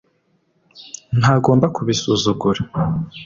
ntagomba kubisuzugura